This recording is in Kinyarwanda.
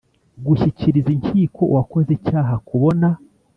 gushyikiriza inkiko uwakoze icyaha kubona